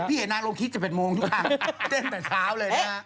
พี่เห็นนางโลคิดจะ๘โมงทุกครั้งเต้นแต่เช้าเลยนะ